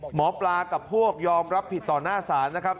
หมอปลากับพวกยอมรับผิดต่อหน้าศาลนะครับ